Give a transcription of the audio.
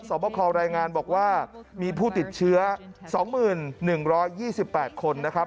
บคอรายงานบอกว่ามีผู้ติดเชื้อ๒๑๒๘คนนะครับ